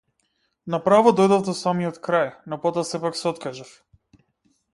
На право дојдов до самиот крај, но потоа сепак се откажав.